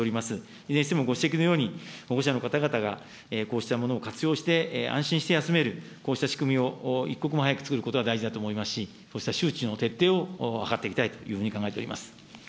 いずれにしてもご指摘のように、保護者の方々がこうしたものを活用して、安心して休める、こうした仕組みを一刻も早く作ることが大事だと思いますし、こうした周知の徹底を図っていきたいというふうに考えております。